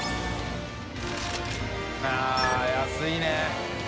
◆舛安いね。